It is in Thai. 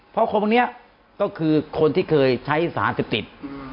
เพราะคนพวกนี้ก็คือคนที่เคยใช้สารเสพติด